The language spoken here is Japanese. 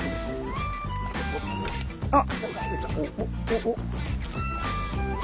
あっ！